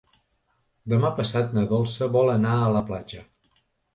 Demà passat na Dolça vol anar a la platja.